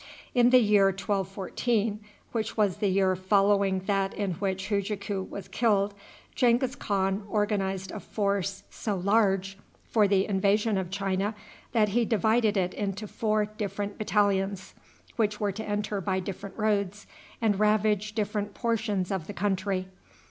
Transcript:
In the year 1214, which was the year following that in which Hujaku was killed, Genghis Khan organized a force so large, for the invasion of China, that he divided it into four different battalions, which were to enter by different roads, and ravage different portions of the country.